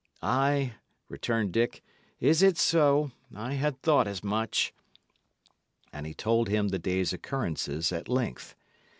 "Ay," returned Dick, "is it so? I had thought as much." And he told him the day's occurrences at length.